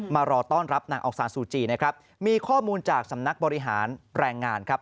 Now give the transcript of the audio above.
มารอต้อนรับนางองซานซูจีนะครับมีข้อมูลจากสำนักบริหารแรงงานครับ